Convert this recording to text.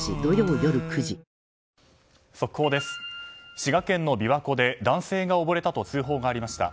滋賀県の琵琶湖で男性が溺れたと通報がありました。